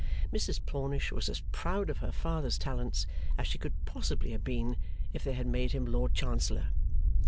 Mrs Plornish was as proud of her father's talents as she could possibly have been if they had made him Lord Chancellor.